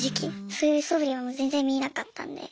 そういうそぶりも全然見えなかったんで。